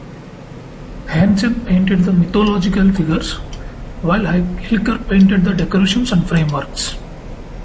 Hansen painted the mythological figures, while Hilker painted the decorations and frameworks.